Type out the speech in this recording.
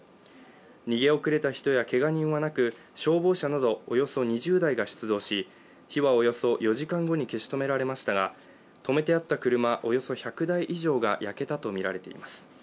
逃げ遅れた人やけが人はなく消防車などおよそ２０台が出動し、火はおよそ４時間後に消し止められましたが止めてあった車およそ１００台以上が焼けたとみられています。